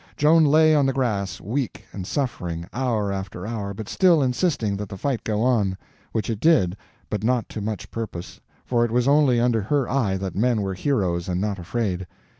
Joan lay on the grass, weak and suffering, hour after hour, but still insisting that the fight go on. Which it did, but not to much purpose, for it was only under her eye that men were heroes and not afraid.